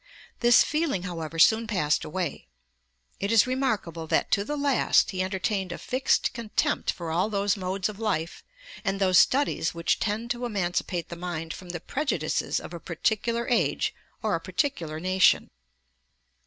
This feeling, however, soon passed away. It is remarkable that to the last he entertained a fixed contempt for all those modes of life and those studies which tend to emancipate the mind from the prejudices of a particular age or a particular nation.